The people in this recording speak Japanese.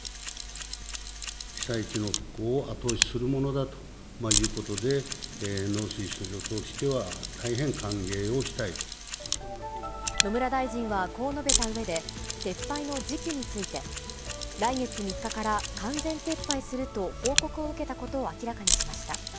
被災地の復興を後押しするものだということで、農水省としては、野村大臣は、こう述べたうえで、撤廃の時期について、来月３日から完全撤廃すると報告を受けたことを明らかにしました。